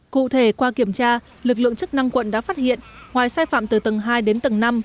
cụ thể qua kiểm tra lực lượng chức năng quận đã phát hiện ngoài sai phạm từ tầng hai đến tầng năm